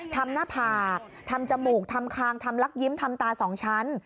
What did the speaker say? ทำหน้าผากทำจมูกทำคางทำลักยิ้มทำตาสองชั้น